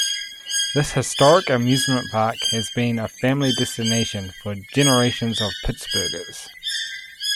This historic amusement park has been a family destination for generations of Pittsburghers.